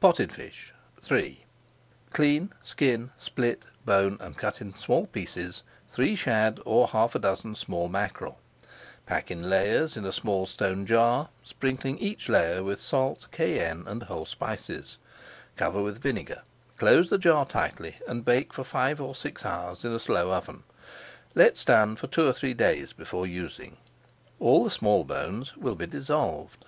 POTTED FISH III Clean, skin, split, bone, and cut in small pieces three shad or half a dozen small mackerel. Pack in layers in a small stone jar, sprinkling each layer with salt, cayenne, and whole spices. Cover with vinegar, close the jar tightly, and bake for five or six hours in a slow oven. Let stand for two or three days before using. All the small bones will be dissolved.